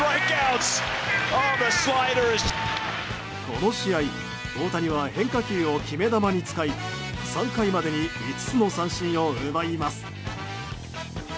この試合大谷は変化球を決め球に使い３回までに５つの三振を奪います。